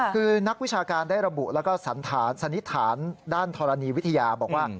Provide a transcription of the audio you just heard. คือนักวิชาการได้ระบุแล้วก็สันฐานสันนิษฐานด้านธรณีวิทยาบอกว่า